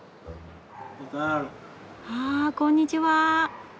あこんにちは。